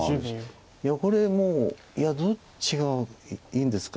いやこれもういやどっちがいいんですか。